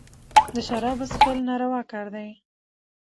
د شرابو څېښل ناروا کار دئ.